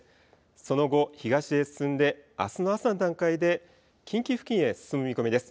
その後、東へ進んであすの朝の段階で近畿付近へ進む見込みです。